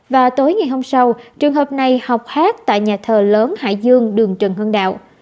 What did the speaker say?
và tối ngày hôm sau trường hợp này học hát tại nhà thờ lớn hải dương đường trần hưng đạo